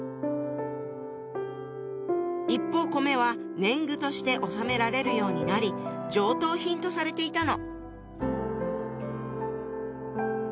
一方米は年貢として納められるようになり上等品とされていたの。